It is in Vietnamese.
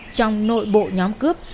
trong nội bộ nhóm cướp